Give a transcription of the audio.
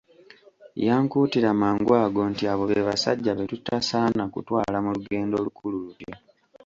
Yankuutira mangu ago nti abo be basajja be tutasaana kutwala mu lugendo lukulu lutyo.